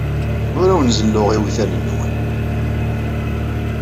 Ur awen-zelluɣ iwtal-nwen.